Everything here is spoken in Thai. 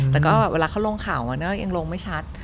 แต่ก็เวลาเขาลงข่าวยังลงไม่ชัด